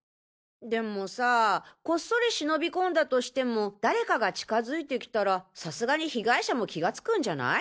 でもさぁこっそり忍び込んだとしても誰かが近づいてきたらさすがに被害者も気が付くんじゃない？